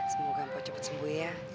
semoga ampau cepet sembuh ya